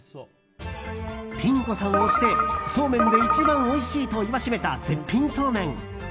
ピン子さんをしてそうめんで一番おいしいと言わしめた、絶品そうめん。